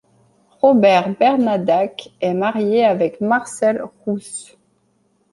Robert Bernadac est marié avec Marcelle Rousse.